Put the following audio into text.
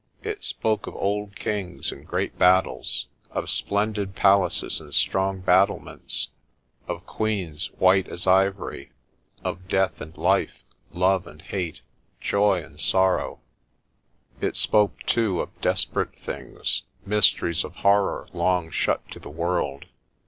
It spoke of old kings and great battles, of splendid palaces and strong battlements, of queens white as ivory, of death and life, love and hate, joy and sorrow. It spoke, too, of desperate things, mysteries of horror long shut to the world.